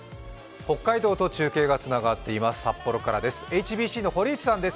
北海道と中継がつながっています札幌からです